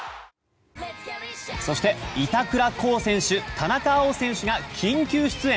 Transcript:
そして板倉滉選手田中碧選手が緊急出演。